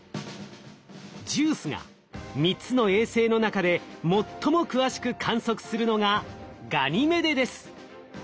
ＪＵＩＣＥが３つの衛星の中で最も詳しく観測するのがガニメデです。